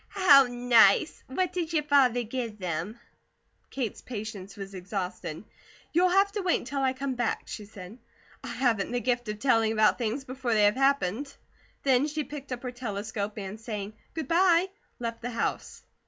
"How nice! What did your father give them?" Kate's patience was exhausted. "You'll have to wait until I come back," she said. "I haven't the gift of telling about things before they have happened." Then she picked up her telescope and saying "good bye," left the house.